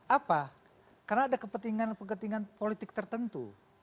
apa karena ada kepentingan kepentingan politik tertentu